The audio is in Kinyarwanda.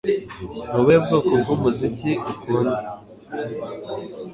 Ni ubuhe bwoko bwumuziki ukunda